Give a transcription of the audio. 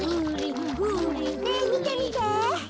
ねえみてみて。